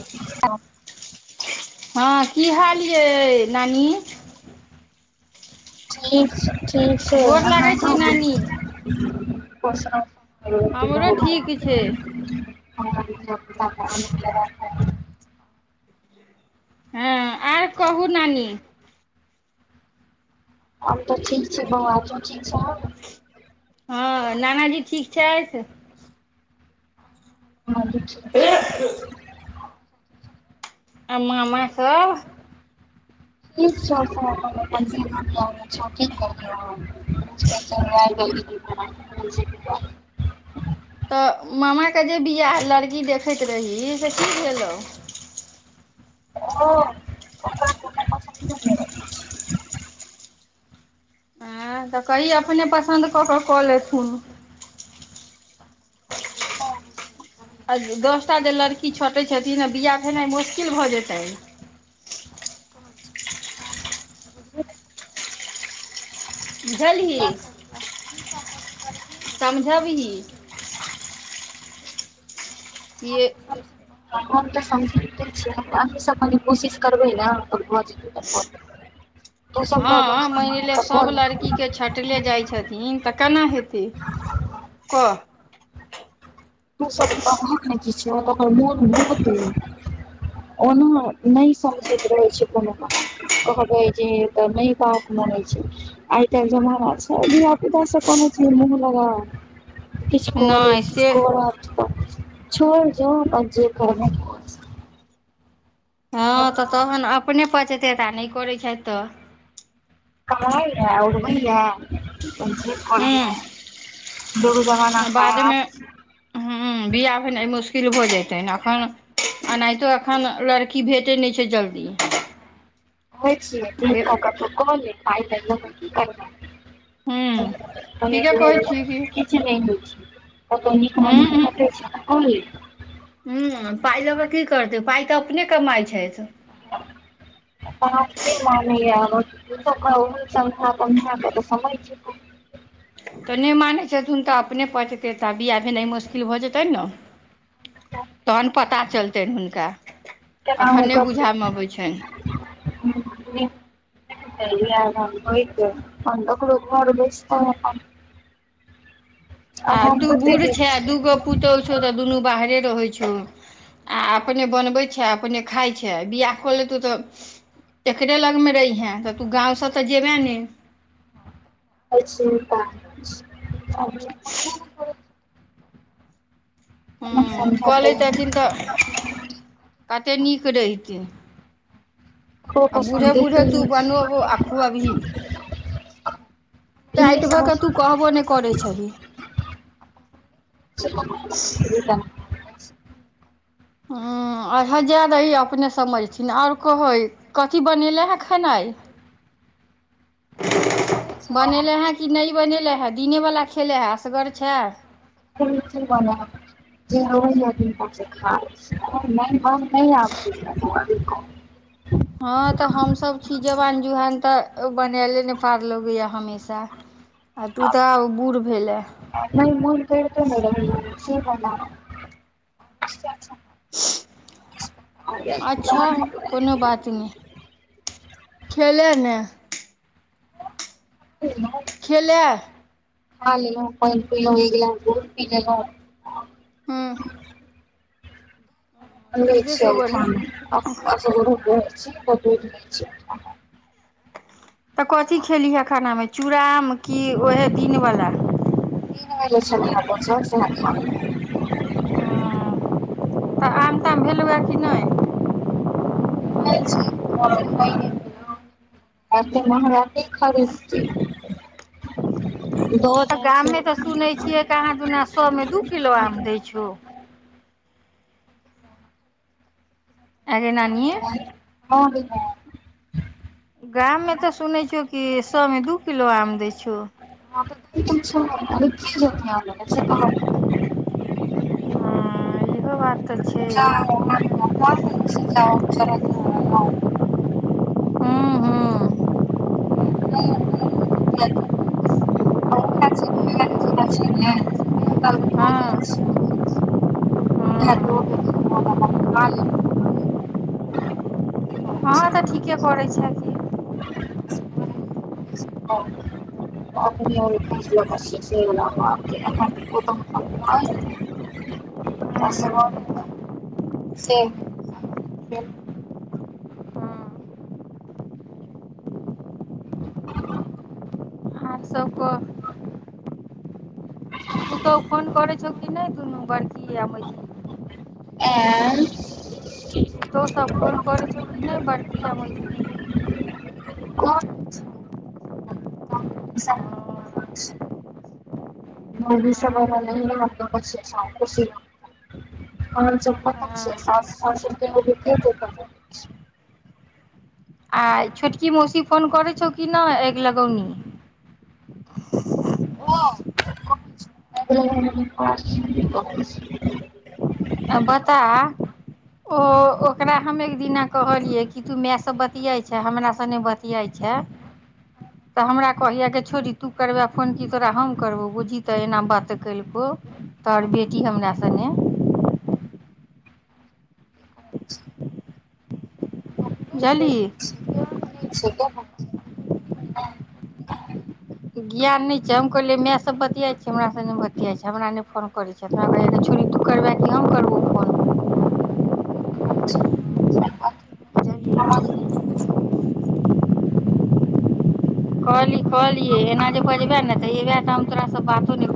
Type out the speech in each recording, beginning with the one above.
हा हा की हाल यै नानी ठीक छै। ठीक छैय गोर आहाँ लागै छी कहु नानी पोसौ हमरो ठीक छै [unintelligible] हा और कहू नानी हम तऽ ठीक छी बौआ तु ठीक छै। हा नाना जी ठीक छैथ हा ठीक छैय और मामा सभ ठीक छै। की करबै हम [unintelligible] तऽ मामा केँ जे बियाह लड़की देखैत रही सँ की भेलौ [inaudible] ह तऽ कही अपने पसंन्द कऽ के कऽ ले थुन [inaudible] आ दसटा जे लड़की छोटैत छथिन आ बिआाह भेनाइ मुश्किल भऽ जेतै झ [inaudible] बुझलही [inaudible] [inaudible] [inaudible] समझबही हम [inaudible] [inaudible] हम तऽ समझैबते छैय अही सब कनि कोशिश करबै न भ जतै [inaudible] ह मैनले सब लड़की के छट टले जाइ छथिन तऽ केना हेतै कह [inaudible] त सब अत ने कि छै त ओकर मोन बहुते ओना नय समझैत रहै छै कोनो [inaudible] बात कहबै जे तऽ नय बात मने छै आइ कइल जमाना छै धआ पुता से कोनो चीज मुह लगा नहि से [inaudible] हँ तऽ तहन अपने पचेते त आ नय करैत छैथ तऽ [inaudible] [inaudible] करै हूँ जगो जमाना खराब ह बिआह भेनाइ मुश्किल भऽ जतै ने एखन आ नहि तो एखन लड़की भेटैत नय छै जल्दी [inaudible] कहय छियै द क कल पाइ की करब हूँ [inaudible] [inaudible] ठीके कहै छियै की नय कत उहूँ नीक ह पाइ लऽ कऽ की करतै पाइ तऽ अपने कमाइ छैथ [inaudible] [inaudible] तऽ नय मानैत छथुन तऽ अपने पचेतै तऽ बिया भेनाइ मुश्किल भऽ जेतै ने तहन पता चलतनि हुनका केनाहु अखन नय कऽ बुझएमे अबैत छैन [inaudible] [inaudible] आब आ हम तू कते बूढ़ दिन छै आ दूगो पुतहु छौ तऽ दुनू बाहरे रहै छौ आ अपने बनबै छै आ अपने खाइ छै आ बियाह खो लेतहुँ तऽ एकरे लगमे रहिहेँ तऽ तू गाँवसँ तऽ जेबह ने [inaudible] हँ कऽ समझतै लैत छथिन तऽ कते नीक रहितै ककरो आ पसन्द बुढ़े देखै बुढ़े नहि तू छी बानूब आखू अबही भऽ कऽ तू कहबो नहि इ करै छही [inaudible] [inaudible] ह अच्छा जाय दही अपने समझथिन ओर कहै कथी बनेले हे खेनाइ हैं। बनेलै हेँ कि नय बनेलै हेँ दिनेवला खेलै हे असगर छै [inaudible] [inaudible] हँ तऽ हमस छी जवान जुहान तऽ बनयले ने पार लगैया हमेशा [inaudible] आ तू तऽ आ बूढ़ भेले आ नै मुन कैरते नै रहै ये [unintelligible] अच्छा अच्छा कोनो बात नै खेले न खेलौ खेलेए खा लेलौ पैन पीलो एक गिलास दूध पी लेलौ हँ आ लै ठीके छीयै छै बढ़िआँ हम खलै आ असगरो [unintelligible] तऽ कथी खेलीहे खाना मे चूड़ा आम की ओएहे दिन वाल दिन बला [unintelligible] तऽ आम ताम भेलौ कि नै नै छै [unintelligible] एते महगक किखरीद ती दहै तऽ जाय छै गाममे तऽ सुनै छियै पुछो आगे नानिये ह [unintelligible] गाम मे तऽ सुनै छियो कि सौ मे दू किलो आम दै छौ [inaudible] हँ इहो बात तऽ छै उ [inaudible] हुॅं हुॅं [unintelligible] आ उहह छै ने दाल उहो जाय हँ छै न त हूँ [inaudible] अहाँ तऽ ठीके करै छै कि ओ [inaudible] से [unintelligible] हाथ सभके पुतहु फोन करै छौ कि नै दुनू बड़की आ मैझली एऽ पुतौ सब फोन करै छौ कि नै बड़किया मैझली क [unintelligible] [inaudible] मोगी सब [unintelligible] खुशी लागत हँ सौस [inaudible] आ छोटकी मौसी फोन करैत छौ की नै ऐग लगौनी ओ [unintelligible] अ बता ओ ओकरा हम एक दिना कहलियै कि तू मेए से बतियाई छे हमरा से नै बतियै छै [inaudible] तऽ हमरा कहैया कि छोरी तू करबे फोन की तोरा हम करबौ बूझी तऽ एना बात केलकौ तोहर बेटी हमरा सने बुझलही [inaudible] ज्ञान नय छै हम कहलिय मैायं सब बतिया छी हमरा सब नय बतिया छै हमरा नय फोन करे छै जकरा कहहिआके छोरी तू करबै कि हम करबौ फोन [inaudible] बुझलियै ह [inaudible] कहली कहलि एना जे बजबे ने तऽ एबे तऽ हम तोराँ बातो नय कर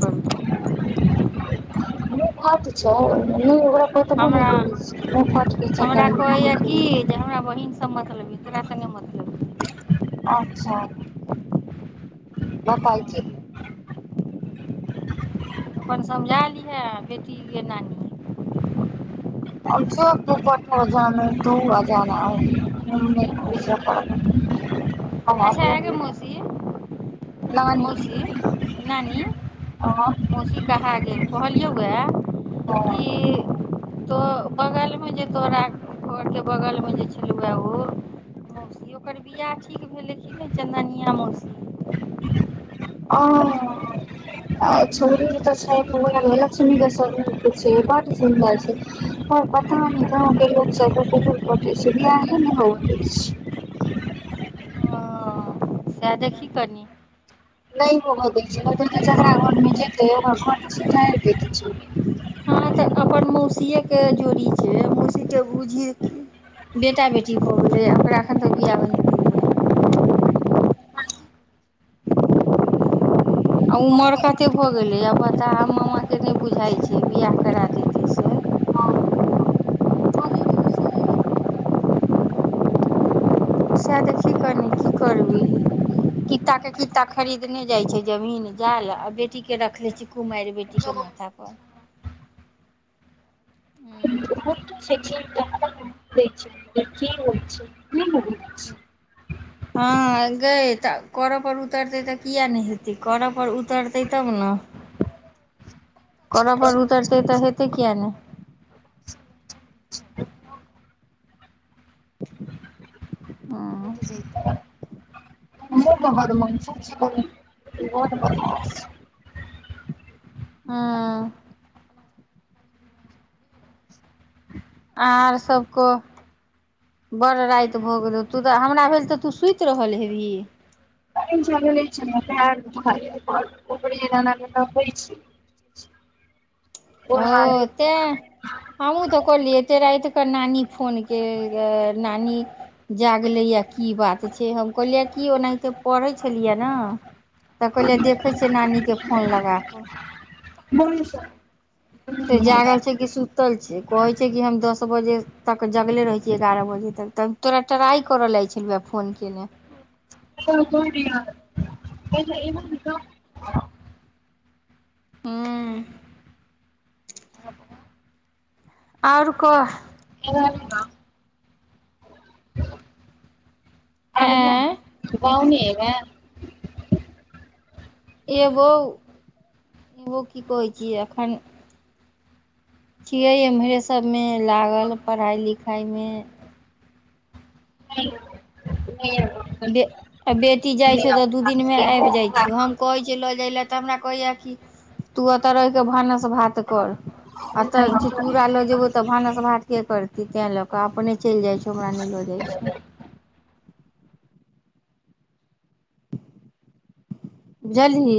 हमरा हमरा कहैया कि [inaudible] हमरा बहिन सब मतलबी तोरा सँ नइ मतलबी अच्छा [inaudible] अपन समझा लिहा बेटी के नानी [inaudible] [inaudible] अच्छा आ गे मौसी नानी मौसी नानी अहाँ मौसी कहा गेल कहलियौ गए हँ कि तो बगलमे जे तोरा घरके बगलमे जे छलबए ओ मौसी ओकर बिआाह ठीक भेलैखिन नय चन्दनिया मौसी [inaudible] [inaudible] लक्ष्मी सरूप छै बड सुन्दर छै [inaudible] साह देखी कनि नइ होब दैय छै जकरा घरमे जेतै ओकर घर सुताइर देते छैउरी ओकर मौसीे के जोड़ी छै मौसी के बुझि बेटा बेटी भऽ गेलेयि ओकर अखन तक बियाह नै आ उमर कते भऽ गेलै आ बता मामाके नय बुझाइत छै बियाह करा देैते से सएह देखही कनी की करबी ही कित्ता के कित्ता खरीदने जाइ छै जमीन जाल आ बेटी के रखने छै कुमैर बेटी के मथापर [inaudible] से किनतै तखन ना कि होइ छै [inaudible] [inaudible] हँ गय तऽ करऽ पर उतरतै तऽ किइया नै हेतै करऽ पर उतरतै तब ना [inaudible] करऽ पर उतरतै तऽ हेते किइया नै हँ [unintelligible] [inaudible] खुब बदमास छै बहिन बड़ बदमास छै हुँ आर सब कह बड़ राति भऽ गेल तू तऽ हमरा भेल तऽ सुइत रहल हेबही [inaudible] ओ ओढ़ाबै तैं हमहुँ तऽ कहलियै एते रात क नानी फोन केलके नानी जागले यऽ की बात छै हम कहलियै की ओनाहिते पढ़ै छेलियै नऽ तऽ कहहिले देखे छिये नानी केँ फोन लगा कऽ [unintelligible] सब ते जागल छै कि सु तल छै कहै छै कि हम दस बजे तक जगले रहै छियै एगारह बजे तक तब तोरा ट्राइ करऽ लै छेलियै फोन केने [inaudible] हुँ आउर कह [unintelligible] अभि ले या एं नऽ गाँव नै एबे एबो एबो की कहै छिये एखन छियै एम्हरे सब मे लागल पढ़ाई लिखाई मे हेलो नय एबो बे ए बेटी जाइ छौउ तऽ दू दिनमे आबि जाइत छौ हम कहै छैय लऽ जाय लए तऽ हमरा कहैया कि तू एतऽ रहि केँ भानस भात कर एतऽ एबै चितकुरा लऽ जेबौ तऽ भानस भात केँ करती तैँ लऽ कऽ अपने चैल जाइत छौ हमरा नय लऽ जाइ छै बुझलही